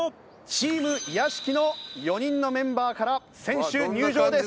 チーム屋敷の４人のメンバーから選手入場です！